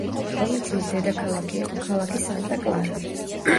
პროვინციის დედაქალაქი იყო ქალაქი სანტა-კლარა.